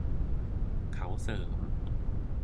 เขาเสริม